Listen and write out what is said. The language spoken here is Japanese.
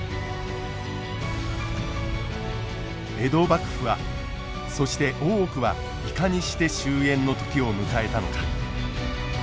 江戸幕府はそして大奥はいかにして終えんの時を迎えたのか。